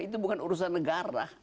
itu bukan urusan negara